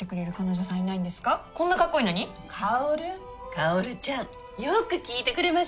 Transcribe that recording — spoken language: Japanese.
薫ちゃんよく聞いてくれました。